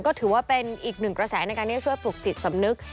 ก็ถือว่าเป็นอีกหนึ่งกระแสในการที่จะช่วยปลุกจิตสำนึก